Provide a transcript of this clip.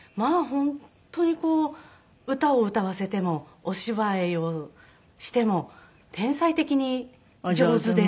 本当にこう歌を歌わせてもお芝居をしても天才的に上手で。